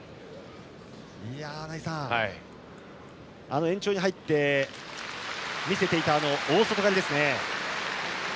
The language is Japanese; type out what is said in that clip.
穴井さん、延長に入って見せていた大外刈りですね。